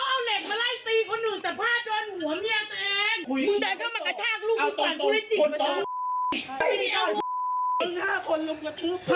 ไอ้เจ้าบิ๊บแอบย้า